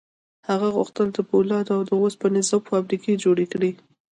هغه غوښتل د پولادو او اوسپنې ذوب فابریکې جوړې کړي